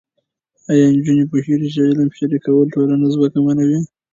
ایا نجونې پوهېږي چې علم شریکول ټولنه ځواکمنوي؟